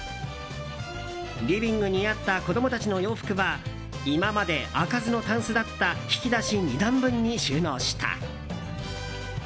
リビングにあった子供たちの洋服は今まで開かずのたんすだった引き出し２段分に収納した。